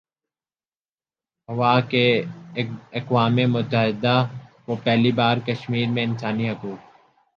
ہوا کہ اقوام متحدہ کو پہلی بار کشمیرمیں انسانی حقوق